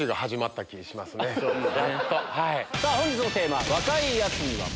さぁ本日のテーマ。